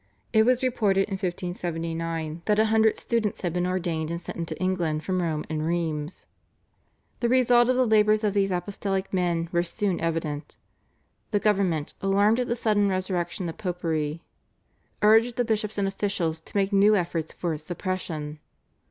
It was reported in 1579 that a hundred students had been ordained and sent into England from Rome and Rheims. The result of the labours of these apostolic men was soon evident. The government, alarmed at the sudden resurrection of Popery, urged the bishops and officials to make new efforts for its suppression.